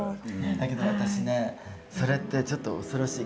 だけど私ねそれってちょっと恐ろしい感じ。